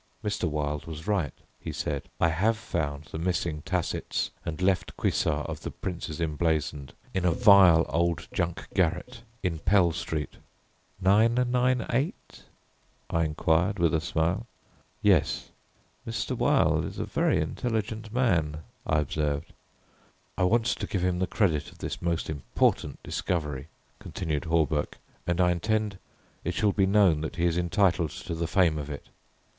"Mr. Wilde was right," he said. "I have found the missing tassets and left cuissard of the 'Prince's Emblazoned,' in a vile old junk garret in Pell Street." "998?" I inquired, with a smile. "Yes." "Mr. Wilde is a very intelligent man," I observed. "I want to give him the credit of this most important discovery," continued Hawberk. "And I intend it shall be known that he is entitled to the fame of it."